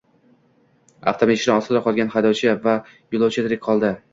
Avtomashina ostida qolgan haydovchi va yo‘lovchi tirik qoldi